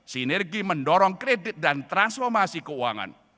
sinergi mendorong kredit dan transformasi keuangan